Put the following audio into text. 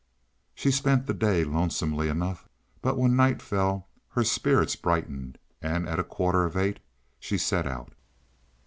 She spent the day lonesomely enough, but when night fell her spirits brightened, and at a quarter of eight she set out.